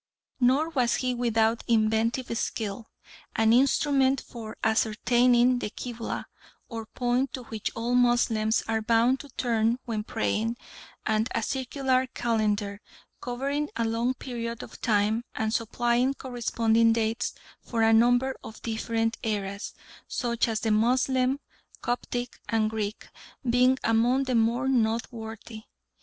Nor was he without inventive skill an instrument for ascertaining the kibla, or point to which all Moslems are bound to turn when praying, and a circular calender covering a long period of time, and supplying corresponding dates for a number of different eras, such as the Moslem, Coptic and Greek, being among the more noteworthy.